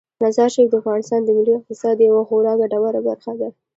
مزارشریف د افغانستان د ملي اقتصاد یوه خورا ګټوره برخه ده.